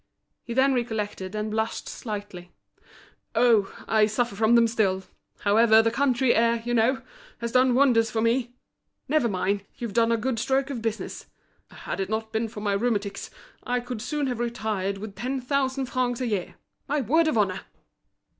He then recollected, and blushed slightly. "Oh! I suffer from them still! However, the country air, you know, has done wonders for me. Never mind, you've done a good stroke of business. Had it not been for my rheumatics, I could soon have retired with ten thousand francs a year. My word of honour!"